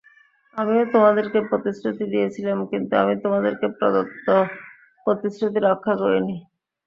আমিও তোমাদেরকে প্রতিশ্রুতি দিয়েছিলাম, কিন্তু আমি তোমাদেরকে প্রদত্ত প্রতিশ্রুতি রক্ষা করিনি।